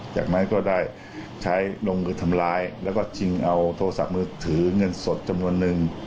จากนั้นก็ได้ใช้ลงมือทำร้ายแล้วก็ชิงเอาโทรศัพท์มือถือเงินสดจำนวนนึง